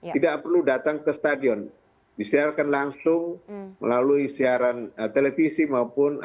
tidak perlu datang ke stadion disiarkan langsung melalui siaran televisi maupun